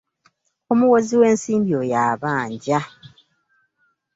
Omuwozi w'ensimbi oyo abanja!